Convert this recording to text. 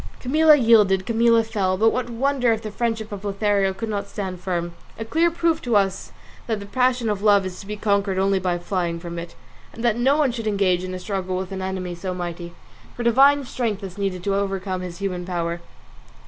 Camilla yielded, Camilla fell; but what wonder if the friendship of Lothario could not stand firm? A clear proof to us that the passion of love is to be conquered only by flying from it, and that no one should engage in a struggle with an enemy so mighty; for divine strength is needed to overcome his human power.